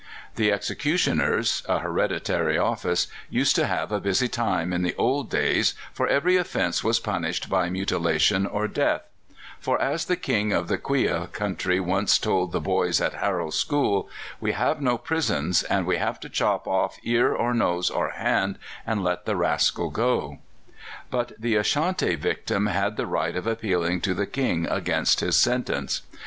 The executioners a hereditary office used to have a busy time in the old days, for every offence was punished by mutilation or death; for, as the King of the Quia country once told the boys at Harrow School, "We have no prisons, and we have to chop off ear or nose or hand, and let the rascal go." But the Ashanti victim had the right of appealing to the King against his sentence.